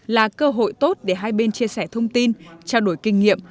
là cơ hội tốt để hai bên chia sẻ thông tin trao đổi kinh nghiệm